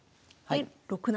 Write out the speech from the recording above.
はい。